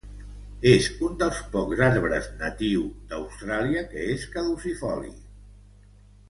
És un dels pocs arbres natiu d'Austràlia que és caducifoli.